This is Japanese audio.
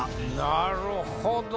なるほど！